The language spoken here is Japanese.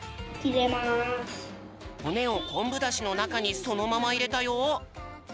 ほねをこんぶダシのなかにそのままいれたよ。